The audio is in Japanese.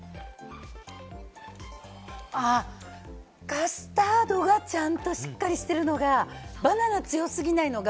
カスタードがちゃんとしっかりしてるのが、バナナ強すぎないのが、